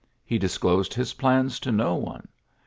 He disclosed his plans to no one.